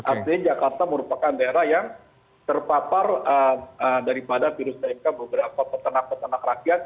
artinya jakarta merupakan daerah yang terpapar daripada virus dmk beberapa petanak petanak rakyat